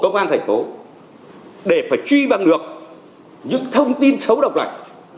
của công an thành phố để phải truy bằng được những thông tin xấu độc này